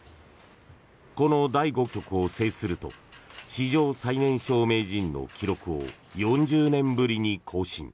この第５局を制すると史上最年少名人の記録を４０年ぶりに更新。